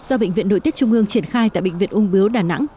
do bệnh viện nội tiết trung ương triển khai tại bệnh viện ung biếu đà nẵng